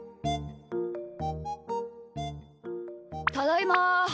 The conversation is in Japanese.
ただいま。